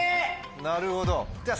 なるほどじゃあ。